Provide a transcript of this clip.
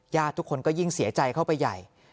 ทุกคนก็ยิ่งเสียใจเข้าไปใหญ่